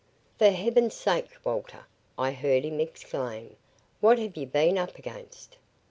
"For heaven's sake, Walter," I heard him exclaim. "What have you been up against?"